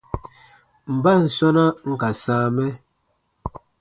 Mban sɔ̃na n ka sãa mɛ ?